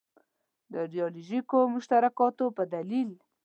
د ایدیالوژیکو مشترکاتو په دلیل.